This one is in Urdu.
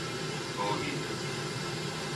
ہو گی